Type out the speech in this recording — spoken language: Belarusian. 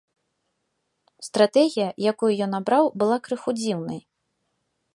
Стратэгія, якую ён абраў, была крыху дзіўнай.